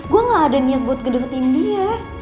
gue gak ada niat buat ngedekatin dia